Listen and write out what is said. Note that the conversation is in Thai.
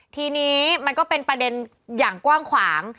ทีนี้มันก็เป็นประเด็นอย่างกว้างขวาง